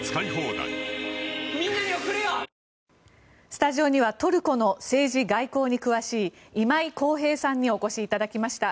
スタジオにはトルコの政治・外交に詳しい今井宏平さんにお越しいただきました。